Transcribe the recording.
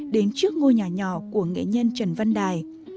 đến trước ngôi nhà nhỏ của nghệ nhân trần văn đài